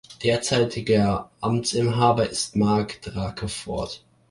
Derzeitiger Amtsinhaber ist Mark Drakeford.